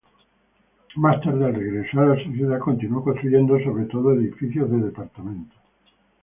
Más tarde, al regresar a su ciudad, continuó construyendo sobre todo edificios de departamentos.